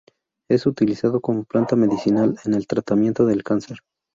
Es utilizado como planta medicinal en el tratamiento del cáncer.